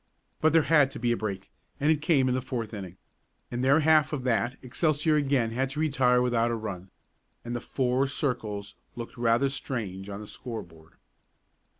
But there had to be a break, and it came in the fourth inning. In their half of that Excelsior again had to retire without a run, and the four circles looked rather strange on the score board.